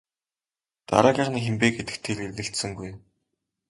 Дараагийнх нь хэн бэ гэдэгт тэр эргэлзсэнгүй.